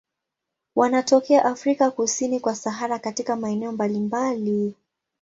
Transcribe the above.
Wanatokea Afrika kusini kwa Sahara katika maeneo mbalimbali.